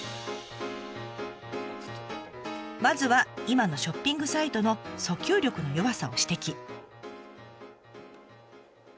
まずは今のショッピングサイトの訴求力の弱さを指摘。